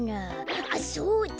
あっそうだ！